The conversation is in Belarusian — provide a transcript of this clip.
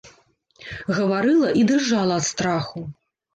Гаварыла і дрыжала ад страху.